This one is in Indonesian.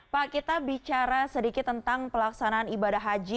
pak kita bicara sedikit tentang pelaksanaan ibadah haji